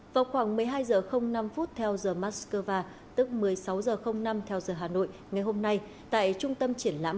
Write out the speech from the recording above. vào khoảng một mươi hai h năm theo giờ moscow tức một mươi sáu h năm theo giờ hà nội ngày hôm nay tại trung tâm triển lãm